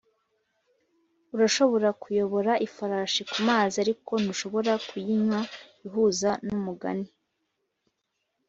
urashobora kuyobora ifarashi kumazi, ariko ntushobora kuyinywa ihuza numugani